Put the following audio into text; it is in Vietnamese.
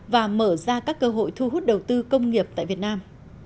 và mở ra các cơ hội thu hút đầu tư công nghiệp tại việt nam